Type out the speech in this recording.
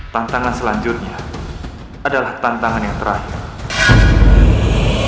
tantangan selanjutnya adalah tantangan yang terakhir